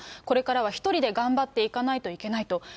これからは１人で頑張っていかないといけないと。